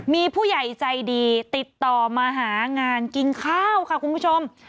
มีผู้ใหญ่ใจดีติดต่อมาหางานกินข้าวค่ะคุณผู้ชม